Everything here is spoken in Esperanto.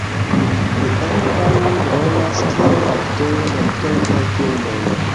Li ankaŭ rolas kiel aktoro en kelkaj filmoj.